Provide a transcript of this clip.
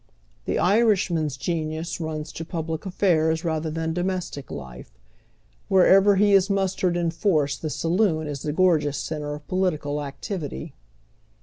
The Irishman's genius runs to public affairs rather than domestic life ; wherever he is mustered in force the saloon is tlie gorgeous centre of political activity.